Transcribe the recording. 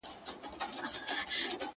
زورولي مي دي خلک په سل ګونو؛